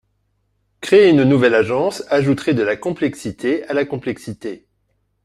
Créer une nouvelle agence ajouterait de la complexité à la complexité.